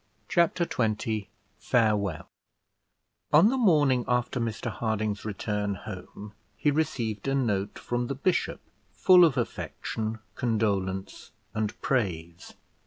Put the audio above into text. Chapter XX FAREWELL On the morning after Mr Harding's return home he received a note from the bishop full of affection, condolence, and praise.